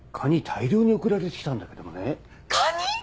大量に送られて来たんだけどもね。カニ！